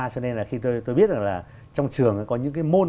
cho nên là khi tôi biết rằng là trong trường có những cái môn